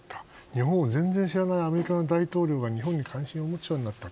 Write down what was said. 日本を全然知らないアメリカの大統領が日本に関心を持つようになった。